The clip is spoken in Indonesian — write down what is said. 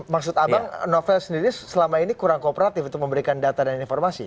maksud abang novel sendiri selama ini kurang kooperatif untuk memberikan data dan informasi